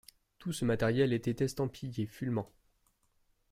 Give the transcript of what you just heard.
Tous ce matériel était estampillé Fulmen.